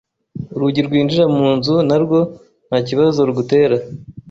Urugi rwinjira mu nzu na rwo nta kibazo rugutera,